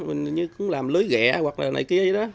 mình như làm lưới ghẹ hoặc là này kia gì đó